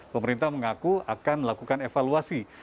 pemerintah mengaku akan melakukan evaluasi